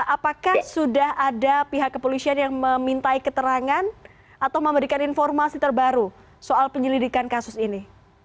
apakah sudah ada pihak kepolisian yang memintai keterangan atau memberikan informasi terbaru soal penyelidikan kasus ini